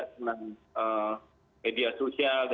dengan media sosial